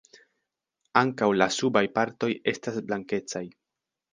Ankaŭ la subaj partoj estas blankecaj.